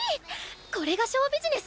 これがショウビジネス？